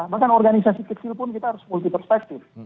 bahkan organisasi kecil pun kita harus multi perspektif